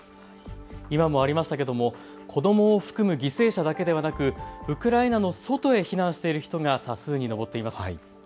今もありましたけれども子どもを含む犠牲者だけではなくウクライナの外へ避難している人が多数に上っています。